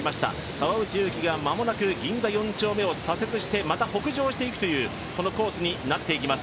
川内優輝が間もなく銀座四丁目を左折して、また北上していくというコースになっていきます。